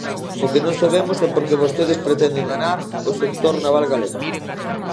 O que non sabemos é por que vostedes pretenden danar o sector naval galego.